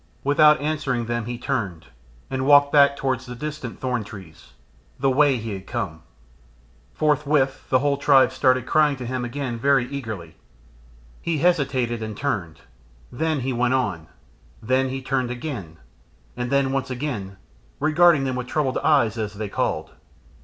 Without answering them he turned, and walked back towards the distant thorn trees, the way he had come. Forthwith the whole tribe started crying to him again very eagerly. He hesitated and turned, then he went on, then he turned again, and then once again, regarding them with troubled eyes as they called.